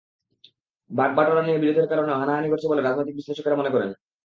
ভাগ-বাঁটোয়ারা নিয়ে বিরোধের কারণেও হানাহানি ঘটছে বলে রাজনৈতিক বিশ্লেষকেরা মনে করেন।